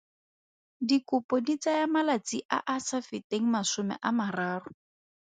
Dikopo di tsaya malatsi a a sa feteng masome a mararo.